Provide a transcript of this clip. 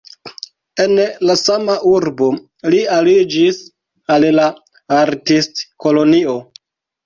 En la sama urbo li aliĝis al la artistkolonio.